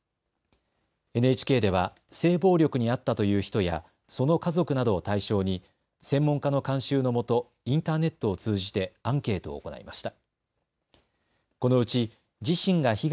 ＮＨＫでは性暴力に遭ったという人やその家族などを対象に専門家の監修のもとインターネットを通じてアンケートを行いました。